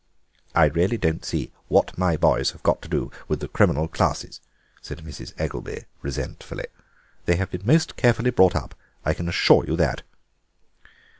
"I really don't see what my boys have got to do with the criminal classes," said Mrs. Eggelby resentfully. "They have been most carefully brought up, I can assure you that."